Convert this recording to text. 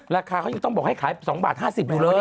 ราคาเขายังต้องบอกให้ขาย๒บาท๕๐อยู่เลย